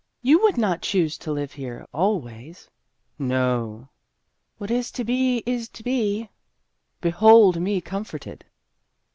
" You would not choose to live here always ?"" No o o." " What is to be, is to be." " Behold me comforted